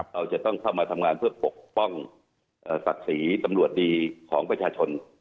เราจะต้องเข้ามาทำงานเพื่อปกป้องศักดิ์ศรีตำรวจดีของประชาชน